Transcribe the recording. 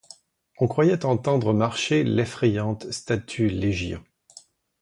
On croyait entendre marcher l'effrayante statue Légion.